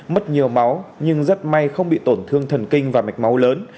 mất nhiều máu nhưng rất may không bị tổn thương thần kinh và mạch máu lớn